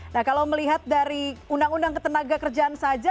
nah kalau melihat dari undang undang ketenaga kerjaan saja